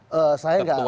ketua umum anda